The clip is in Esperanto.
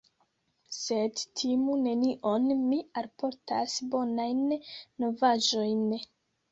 Sed timu nenion, mi alportas bonajn novaĵojn.